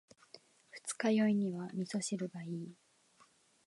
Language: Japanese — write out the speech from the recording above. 二日酔いには味噌汁がいい。